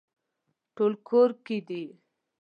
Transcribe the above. ټول کور کې دي